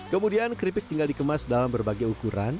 kemudian keripik tinggal dikemas dalam berbagai ukuran